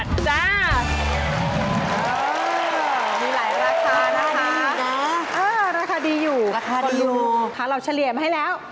มีหลายราคานะคะราคาดีอยู่ราคาดีเราเฉลี่ยมาให้แล้ว